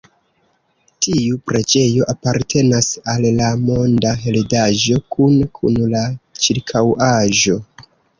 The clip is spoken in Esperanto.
Tiu preĝejo apartenas al la Monda Heredaĵo kune kun la ĉirkaŭaĵo.